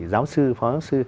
giáo sư phó giáo sư